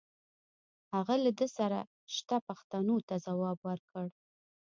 هغه له ده سره شته پوښتنو ته ځواب پیدا کړ